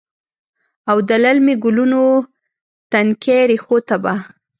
او د للمې ګلونو، تنکۍ ریښو ته به،